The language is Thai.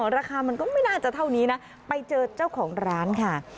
ราคามันก็ไม่น่าจะเท่านี้นะไปเจอเจ้าของร้านค่ะ